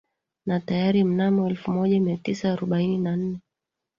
Na tayari mnamo elfumoja miatisa arobaini na nne